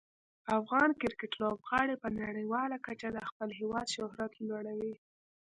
افغان کرکټ لوبغاړي په نړیواله کچه د خپل هیواد شهرت لوړوي.